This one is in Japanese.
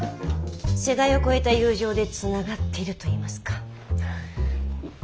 世代を超えた友情でつながっているといいますか。